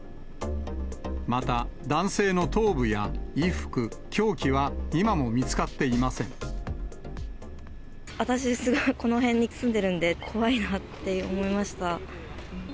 また、男性の頭部や衣服、凶器は、私、この辺に住んでるんで、怖いなって思いました。